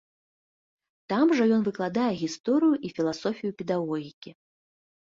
Там жа ён выкладае гісторыю і філасофію педагогікі.